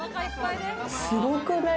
すごくない？